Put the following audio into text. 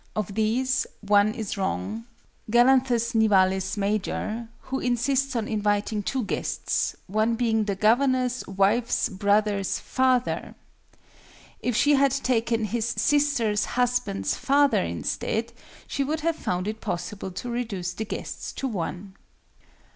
Of these, one is wrong, GALANTHUS NIVALIS MAJOR, who insists on inviting two guests, one being the Governor's wife's brother's father. If she had taken his sister's husband's father instead, she would have found it possible to reduce the guests to one.